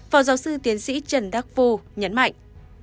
phó giáo sư tiến sĩ trần đắc phu nhấn mạnh